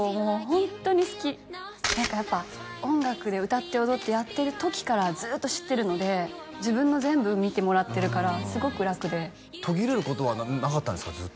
ホントに好き何かやっぱ音楽で歌って踊ってやってる時からずーっと知ってるので自分の全部見てもらってるからすごく楽で途切れることはなかったんですか？